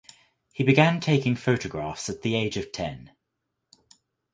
He began taking photographs at the age of ten.